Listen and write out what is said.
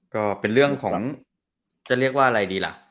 ก็เป็นเรื่องของจะเรียกว่าอะไรดีล่ะ